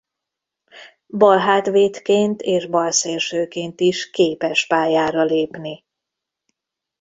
Balhátvédként és balszélsőként is képes pályára lépni.